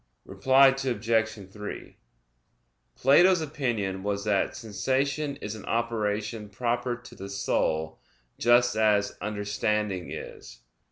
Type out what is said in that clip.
Reply Obj. 3: Plato's opinion was that sensation is an operation proper to the soul, just as understanding is.